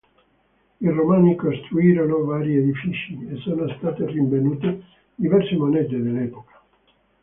I Romani costruirono vari edifici e sono state rinvenute diverse monete dell'epoca.